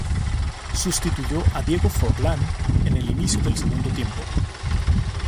Sustituyó a Diego Forlán en el inicio del segundo tiempo.